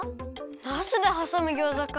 なすではさむギョーザか。